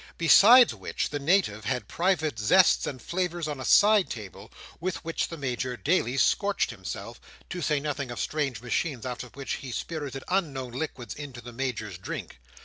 Besides which, the Native had private zests and flavours on a side table, with which the Major daily scorched himself; to say nothing of strange machines out of which he spirited unknown liquids into the Major's drink.